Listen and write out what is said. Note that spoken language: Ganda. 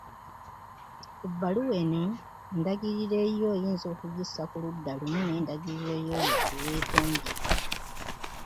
Ku bbaluwa eno endagiriro eyiyo oyinza okugissa ku ludda lumu n’endagiriro y’oyo gwe weetondera.